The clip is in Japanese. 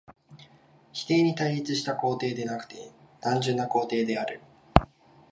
否定に対立した肯定でなくて単純な肯定である。